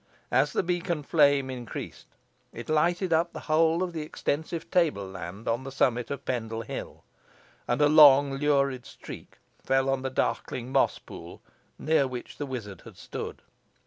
As the beacon flame increased, it lighted up the whole of the extensive table land on the summit of Pendle Hill; and a long lurid streak fell on the darkling moss pool near which the wizard had stood.